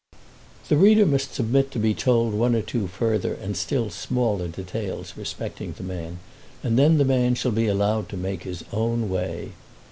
The reader must submit to be told one or two further and still smaller details respecting the man, and then the man shall be allowed to make his own way.